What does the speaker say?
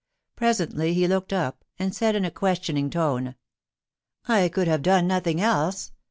Presently he looked up, and said in a <]uestioning tone :' I could have done nothing else